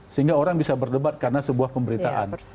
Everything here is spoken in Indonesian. sehingga orang bisa berdebat karena sebuah pemberitaan